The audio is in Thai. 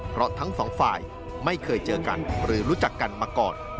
เพราะทั้งสองฝ่ายไม่เคยเจอกันหรือรู้จักกันมาก่อน